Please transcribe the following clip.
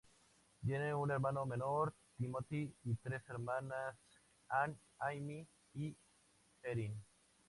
Tiene un hermano menor, Timothy, y tres hermanas, Ann, Amy y Erin.